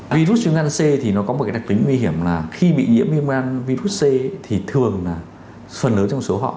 virus vnc thì nó có một đặc tính nguy hiểm là khi bị nhiễm vnc thì thường là phần lớn trong số họ